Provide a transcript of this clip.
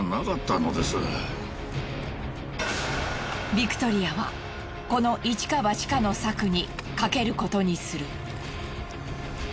ビクトリアはこの一か八かの策にかけることにする。